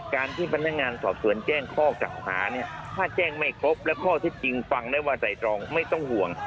การที่พนักงานสอบสวนแจ้งข้อเก่าหาเนี่ยถ้าแจ้งไม่ครบและข้อที่จริงฟังได้ว่าใส่ตรองไม่ต้องห่วง